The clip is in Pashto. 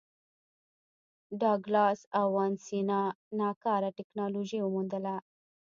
ډاګلاس او وانسینا ناکاره ټکنالوژي وموندله.